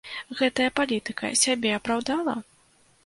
Гэтая палітыка сябе апраўдала?